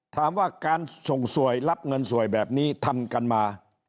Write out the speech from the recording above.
ถามว่าการส่งสวยรับเงินสวยแบบนี้ทำกันมา